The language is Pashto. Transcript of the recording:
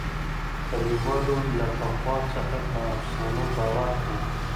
کلیوالو له پخوا څخه په افسانو باور کاوه.